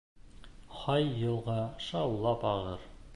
Һай йылға шаулап ағыр.